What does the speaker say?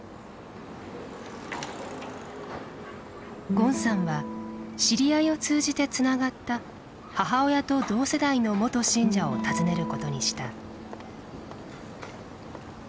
ゴンさんは知り合いを通じてつながった母親と同世代の元信者を訪ねることにした。